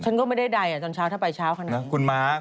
ฉันก็ไม่ได้ใดอ่ะตอนเช้าถ้าไปเช้าขนาดนี้